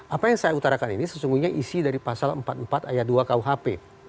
apa yang saya utarakan ini sesungguhnya isi dari pasal empat puluh empat ayat dua kuhp